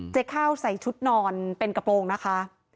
ข้าวใส่ชุดนอนเป็นกระโปรงนะคะ